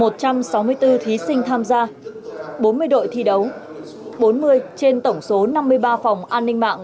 một trăm sáu mươi bốn thí sinh tham gia bốn mươi đội thi đấu bốn mươi trên tổng số năm mươi ba phòng an ninh mạng